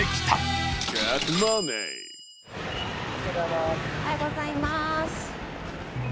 おはようございます。